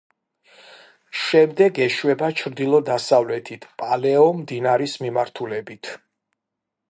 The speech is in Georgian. შემდეგ ეშვება ჩრდილო-დასავლეთით პალეო მდინარის მიმართულებით.